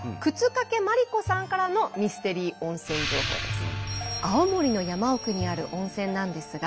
沓掛麻里子さんからのミステリー温泉情報です。